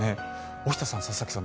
大下さん、佐々木さん